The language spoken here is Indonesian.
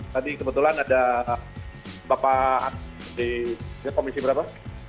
tadi kebetulan ada bapak di komisi berapa